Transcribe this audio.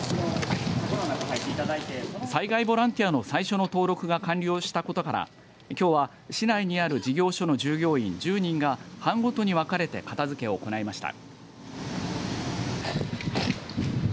災害ボランティアの最初の登録が完了したことからきょうは市内にある事業所の従業員１０人が班ごとに分かれて片付けを行いました。